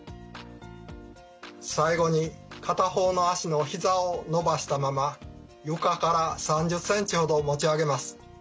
最後に片方の足のひざを伸ばしたまま床から３０ｃｍほど持ち上げます。